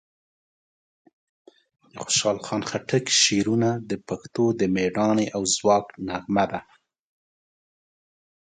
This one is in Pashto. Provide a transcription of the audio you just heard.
د خوشحال خان خټک شعرونه د پښتنو د مېړانې او ځواک نغمه ده.